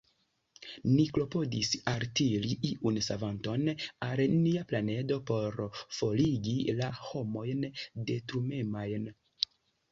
Ni klopodis altiri iun savanton al nia planedo por forigi la homojn detrumemajn.